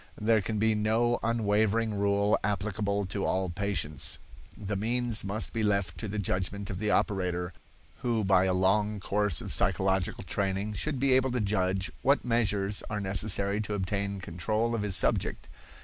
There can be no unvarying rule applicable to all patients. The means must be left to the judgment of the operator, who by a long course of psychological training should be able to judge what measures are necessary to obtain control of his subject.